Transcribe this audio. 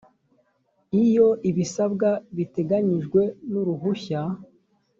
iyo ibisabwa biteganyijwe n uruhushya